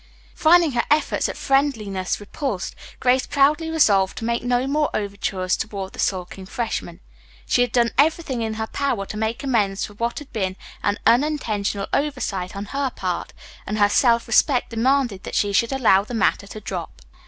Finding her efforts at friendliness repulsed, Grace proudly resolved to make no more overtures toward the sulking freshman. She had done everything in her power to make amends for what had been an unintentional oversight on her part, and her self respect demanded that she should allow the matter to drop.